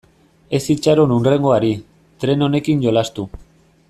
Ez itxaron hurrengoari, tren honekin jolastu.